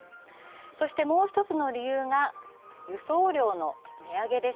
そして、もう１つの理由が輸送料の値上げです。